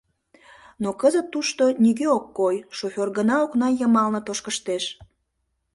Но кызыт тушто нигӧ ок кой, шофёр гына окна йымалне тошкыштеш.